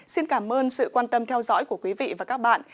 xin cảm ơn sự quan tâm theo dõi của quý vị và các bạn